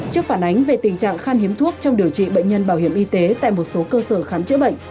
trước phản ánh về tình trạng khan hiếm thuốc trong điều trị bệnh nhân bảo hiểm y tế tại một số cơ sở khám chữa bệnh